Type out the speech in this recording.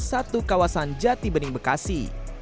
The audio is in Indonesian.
satu kawasan jati bening bekasi